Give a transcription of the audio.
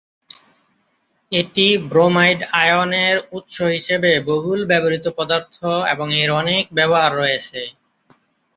এটি ব্রোমাইড আয়নের উৎস হিসেবে বহুল ব্যবহৃত পদার্থ এবং এর অনেক ব্যবহার রয়েছে।